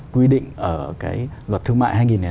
quy định ở cái luật thương mại hai nghìn năm